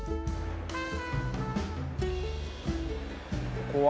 ここは？